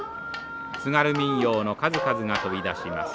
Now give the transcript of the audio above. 津軽民謡の数々が飛び出します。